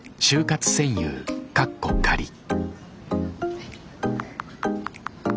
はい。